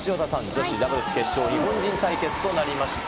女子ダブルス決勝、日本人対決となりました。